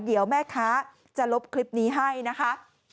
เดี๋ยวแม่ค้าจะลบคลิปนี้ให้นะคะ